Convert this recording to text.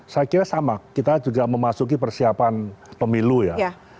saya kira sama kita juga memasuki persiapan pemilu ya